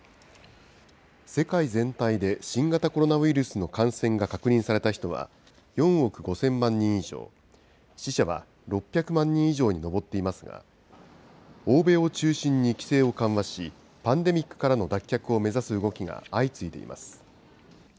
世界全体で新型コロナウイルスの感染が確認された人は、４億５０００万人以上、死者は６００万人以上に上っていますが、欧米を中心に規制を緩和し、パンデミックからの脱却を目指す動きが相次いでいます。